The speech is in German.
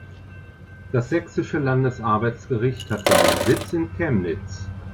Das Sächsische Landesarbeitsgericht hat seinen Sitz in Chemnitz.